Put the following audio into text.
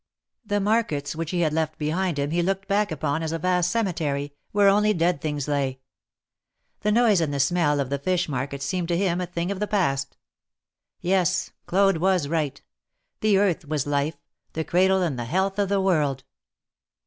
The markets which he had left behind him he looked back upon as a vast cemetery, where only dead things lay. The noise and the smell of the fish market seemed to him k a thing of the past. Yes, Claude was right. The earth was life — the cradle and the health of the world.